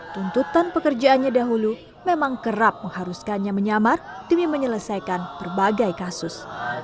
tuntutan pekerjaannya dahulu memang kerap mengharuskannya menyamar demi menyelesaikan berbagai kasus